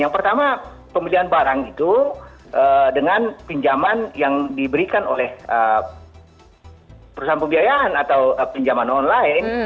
yang pertama pembelian barang itu dengan pinjaman yang diberikan oleh perusahaan pembiayaan atau pinjaman online